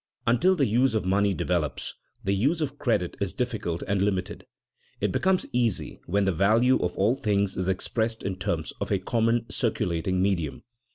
_ Until the use of money develops, the use of credit is difficult and limited; it becomes easy when the value of all things is expressed in terms of a common circulating medium.